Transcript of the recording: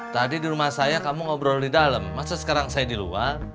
tadi di rumah saya kamu ngobrol di dalam masa sekarang saya di luar